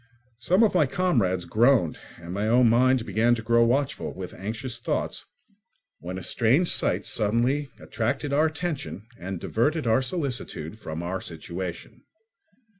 Some of my comrades groaned, and my own mind began to grow watchful with anxious thoughts, when a strange sight suddenly attracted our attention and diverted our solicitude from our own situation.